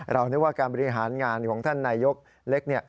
นึกว่าการบริหารงานของท่านนายกเล็ก